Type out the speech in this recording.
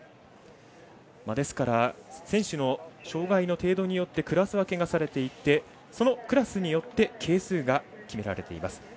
ですから、選手の障がいの程度によってクラス分けがされていてそのクラスによって係数が決められています。